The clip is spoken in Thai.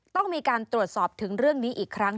ต้องมีการตรวจสอบถึงเรื่องนี้อีกครั้ง